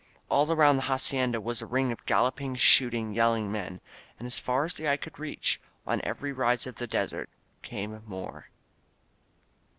All around the hacienda was a ring of galloping, shooting, yelling men ; and as far as the eye could reach, on every rise of the desert, came more.